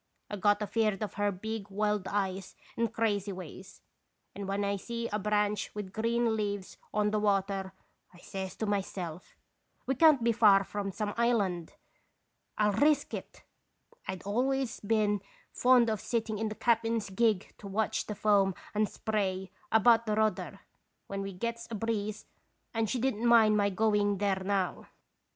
I got afeard of her big, wild eyes and crazy ways, and when I see a branch with green leaves on the water, I says to myself: " 'We can't be far from some island; I'll risk it I 1 I'd always been fond of sitting in the cap'n's gig to watch the foam and spray about the rudder when we gets a breeze, and she did n't mind my going there now.